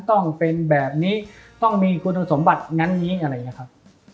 ต้องเป็นแบบนี้ต้องมีคุณสมบัติงั้นนี้อะไรอย่างนี้ครับ